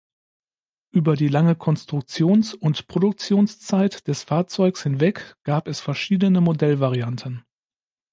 Über die lange Konstruktions- und Produktionszeit des Fahrzeugs hinweg gab es verschiedene Modellvarianten.